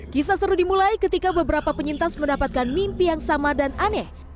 kisah seru dimulai ketika beberapa penyintas mendapatkan mimpi yang sama dan aneh